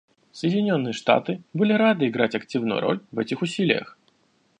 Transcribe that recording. Соединенные Штаты были рады играть активную роль в этих усилиях.